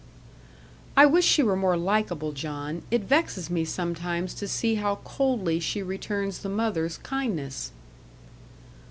"I wish she were more likeable, John. It vexes me sometimes to see how coldly she returns the mother's kindness."